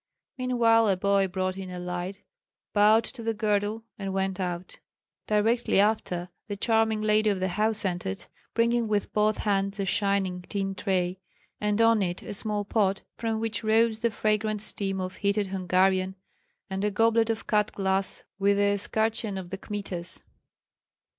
Meanwhile a boy brought in a light, bowed to the girdle, and went out. Directly after the charming lady of the house entered, bringing with both hands a shining tin tray, and on it a small pot, from which rose the fragrant steam of heated Hungarian, and a goblet of cut glass with the escutcheon of the Kmitas.